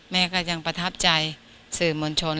แม่ก็ยังประทับใจสื่อมวลชน